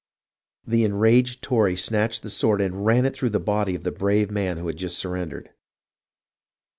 The enraged Tory snatched the sword and ran it through the body of the brave man who had just surrendered.